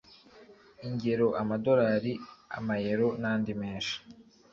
ingero amadolari, amayero nandi menshi